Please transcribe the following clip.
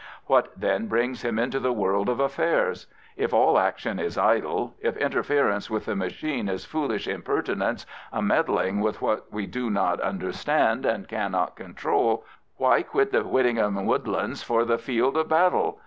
What, then, brings him into the world of affairs? If all action is idle, if interference with the machine is foolish impertinence, a meddling with what we do not understand and cannot control, why quit the Whit tinghame woodlands for the field of battle?